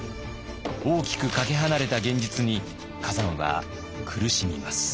大きくかけ離れた現実に崋山は苦しみます。